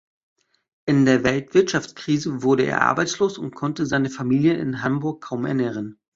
In der Weltwirtschaftskrise wurde er arbeitslos und konnte seine Familie in Hamburg kaum ernähren.